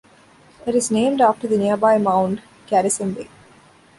It is named after the nearby Mount Karisimbi.